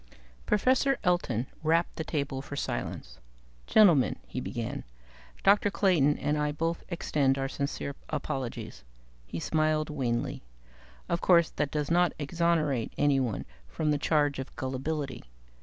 Professor Elton rapped the table for silence. "Gentlemen," he began, "Dr. Clayton and I both extend our sincere apologies." He smiled wanly. "Of course, that does not exonerate anyone from the charge of gullibility.